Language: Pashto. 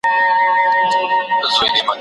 ژباړه: موږ تاته ډيره ښکلې قصه کوو.